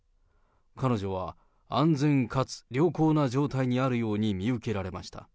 彼女は安全かつ良好な状態にあるように見受けられました。